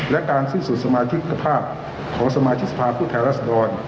และการสิ้นสุดสมาชิกภาพของสมาชิกสภาพผู้แทนรัศดร